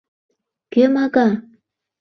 — Кӧ мага?